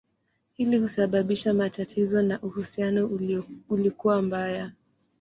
Hii ilisababisha matatizo na uhusiano ulikuwa mbaya.